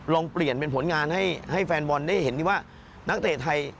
ลองเปลี่ยนเป็นผลงานให้แฟนบอลได้เห็นที่ว่านักเตะไทย